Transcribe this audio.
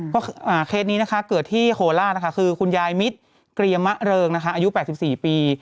เพราะเคสนี้เกิดที่โคลาสคือคุณยายมิตรเกรียมะเริงอายุ๘๔ปี